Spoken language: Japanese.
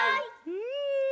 うん！